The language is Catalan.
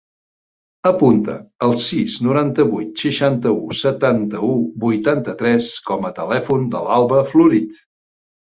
Apunta el sis, noranta-vuit, seixanta-u, setanta-u, vuitanta-tres com a telèfon de l'Alba Florit.